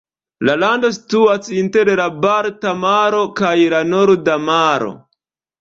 La lando situas inter la Balta maro kaj la Norda Maro.